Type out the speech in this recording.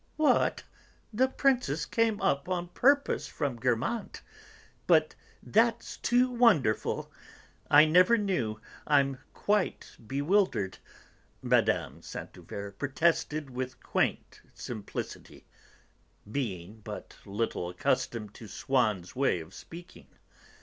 "What! The Princess came up on purpose from Guermantes? But that's too wonderful! I never knew; I'm quite bewildered," Mme. de Saint Euverte protested with quaint simplicity, being but little accustomed to Swann's way of speaking.